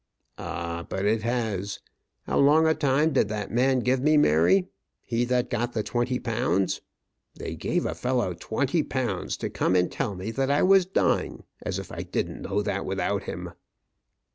"Ah, but it has. How long a time did that man give me, Mary he that got the twenty pounds? They gave a fellow twenty pounds to come and tell me that I was dying! as if I didn't know that without him."